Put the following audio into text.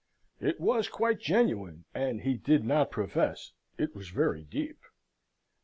It was quite genuine, and he did not profess it was very deep.